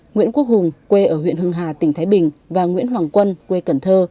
nguyễn quốc hùng quê ở huyện hưng hà tỉnh thái bình và nguyễn hoàng quân quê cần thơ